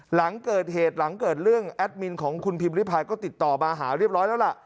หลังเกิดเหตุหลังเกิดเรื่องแอดมินของคุณพิมพ์ริพายก็ติดต่อมาหาเรียบร้อยแล้วล่ะ